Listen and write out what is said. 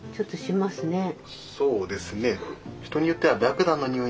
そうですね。